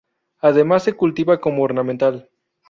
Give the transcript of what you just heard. Además, se cultiva como ornamental.